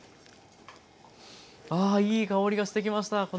ああいい香りがしてきました。